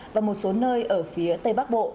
và một số nơi ở phía tây bắc bộ